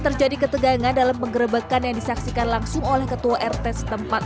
terjadi ketegangan dalam penggerebekan yang disaksikan langsung oleh ketua rt setempat